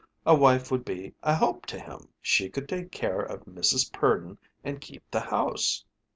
A wife would be a help to him. She could take care of Mrs. Purdon and keep the house."